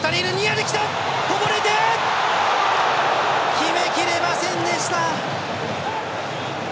決めきれませんでした。